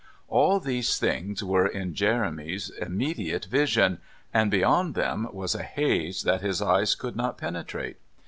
All these things were in Jeremy's immediate vision, and beyond them was a haze that his eyes could not penetrate.